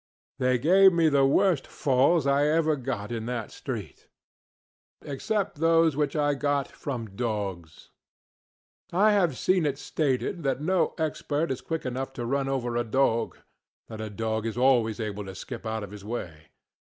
They gave me the worst falls I ever got in that street, except those which I got from dogs. I have seen it stated that no expert is quick enough to run over a dog; that a dog is always able to skip out of his way.